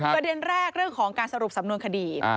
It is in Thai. ประเด็นแรกเรื่องของการสรุปสำนวนคดี